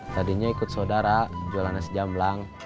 tadinya ikut saudara jualan nasi jamblang